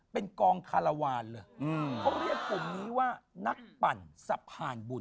เป็นกองคารวาลเลยเขาเรียกกลุ่มนี้ว่านักปั่นสะพานบุญ